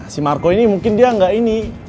si marco ini mungkin dia nggak ini